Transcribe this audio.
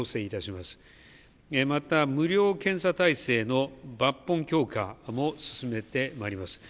また、無料検査態勢の抜本強化も進めてまいります。